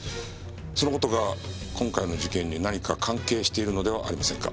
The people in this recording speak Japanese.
その事が今回の事件に何か関係しているのではありませんか？